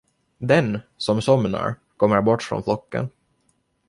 Den, som somnar, kommer bort från flocken.